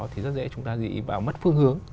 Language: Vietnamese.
thì rất dễ chúng ta dị vào mất phương hướng